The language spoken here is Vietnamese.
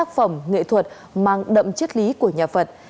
tác phẩm nghệ thuật mang đậm chất lý của nhà phật